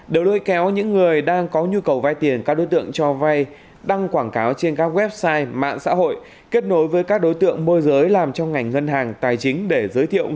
đều lôi kéo những người đang có nhu cầu vay tiền các đối tượng cho vay đăng quảng cáo trên các website mạng xã hội kết nối với các đối tượng môi giới làm trong ngành ngân hàng tài chính để giới thiệu